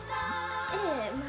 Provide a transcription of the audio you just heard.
ええまぁ。